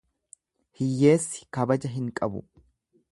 Hiyyeessi kabaja hin qabu.